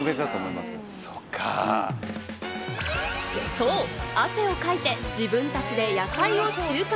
そう、汗をかいて自分たちで野菜を収穫。